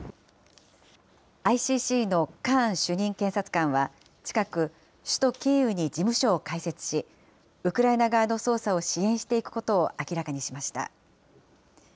ＩＣＣのカーン主任検察官は、近く、首都キーウに事務所を開設し、ウクライナ側の捜査を支援していくことを明らかにしました。